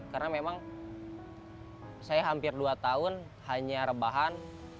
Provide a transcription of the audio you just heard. karena memang saya hampir dua tahun hanya rebahan